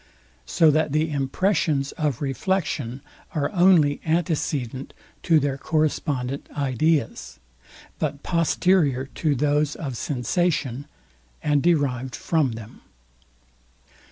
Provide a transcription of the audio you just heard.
So that the impressions of reflexion are only antecedent to their correspondent ideas; but posterior to those of sensation, and derived from them.